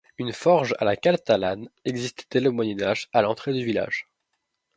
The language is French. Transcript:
Une forge à la catalane existait dès le Moyen Âge à l’entrée du village.